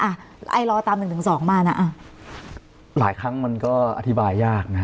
ไอรอตามหนึ่งถึงสองมาน่ะอ่ะหลายครั้งมันก็อธิบายยากนะ